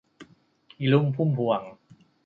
อีลุ่มพุ่มพวง